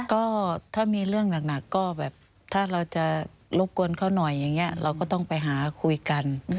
ก็ถ้ามีเรื่องหนักก็แบบถ้าเราจะรบกวนเขาหน่อยอย่างนี้เราก็ต้องไปหาคุยกัน